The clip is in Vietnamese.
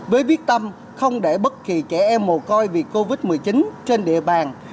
với viết tâm không để bất kỳ trẻ em mồ côi vì covid một mươi chín trên địa bàn